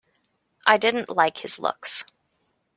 I didn't like his looks.